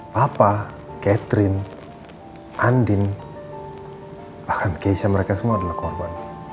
papa catherine andin bahkan keisnya mereka semua adalah korban